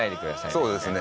そうですね。